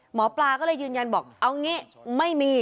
หมอปลาก็เลยยืนยันบอกเอางี้ไม่มี